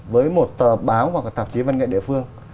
với một tờ báo hoặc là tạp chí văn nghệ địa phương